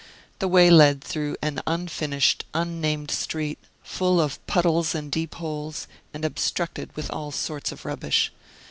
The way led through an unfinished, unnamed street, full of puddles and deep holes, and obstructed with all sorts of rubbish.